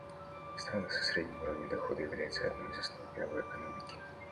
Страны со средним уровнем дохода являются одной из основ мировой экономики.